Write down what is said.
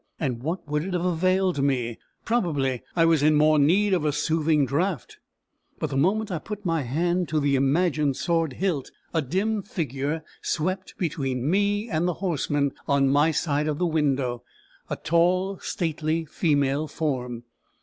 And what would it have availed me? Probably I was in more need of a soothing draught. But the moment I put my hand to the imagined sword hilt, a dim figure swept between me and the horseman, on my side of the window a tall, stately female form.